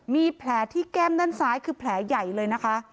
มีแผลที่แก้มด้านซ้ายคือแผลใหญ่เลยนะคะ